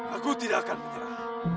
aku tidak akan menyerah